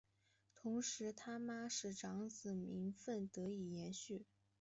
同时他玛使长子名份得以延续。